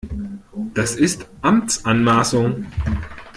Das ist Amtsanmaßung!